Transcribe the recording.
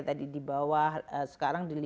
tadi di bawah sekarang di lima lima